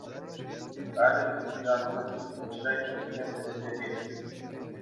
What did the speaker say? Халӗ бюджета мӗн чухлӗ укҫа кӗнине пӗтӗмлетеҫҫӗ.